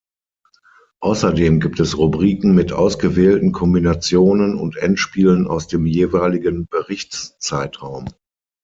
Außerdem gibt es Rubriken mit ausgewählten Kombinationen und Endspielen aus dem jeweiligen Berichtszeitraum.